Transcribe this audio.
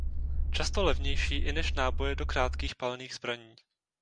Často levnější i než náboje do krátkých palných zbraní.